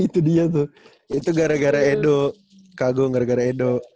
itu dia tuh itu gara gara edo kagum gara gara edo